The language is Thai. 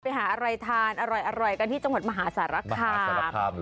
ไปหาอะไรทานอร่อยกันที่จังหวัดมหาสารคาม